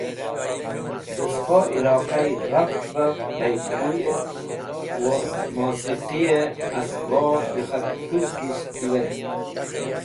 Dẽ sẽpo iloqayi g̃hach baf bayd guyẽt moz mosiqiyẽ esbob j̃ekhakẽkũzgisht tiwek.